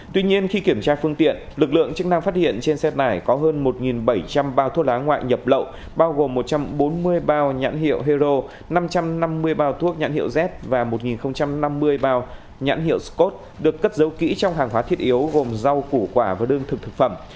tuy nhiên khi kiểm tra phương tiện lực lượng chức năng phát hiện trên xe tải có hơn một bảy trăm linh bao thuốc lá ngoại nhập lậu bao gồm một trăm bốn mươi bao nhãn hiệu hero năm trăm năm mươi bao thuốc nhãn hiệu z và một năm mươi bao nhãn hiệu scott được cất giấu kỹ trong hàng hóa thiết yếu gồm rau củ quả và đương thực thực phẩm